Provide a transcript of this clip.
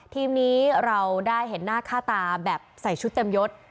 ทีมนี้เราได้เห็นหน้าค่าตาแบบใส่ชุดเต็มยด